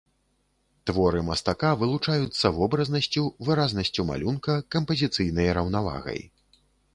Творы мастака вылучаюцца вобразнасцю, выразнасцю малюнка, кампазіцыйнай раўнавагай.